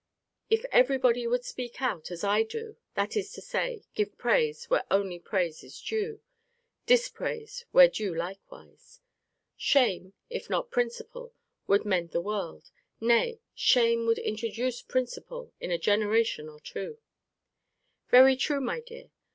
If every body would speak out, as I do, (that is to say, give praise where only praise is due; dispraise where due likewise,) shame, if not principle, would mend the world nay, shame would introduce principle in a generation or two. Very true, my dear.